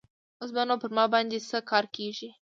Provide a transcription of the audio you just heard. اوس به نور پر ما باندې څه کار کيږي.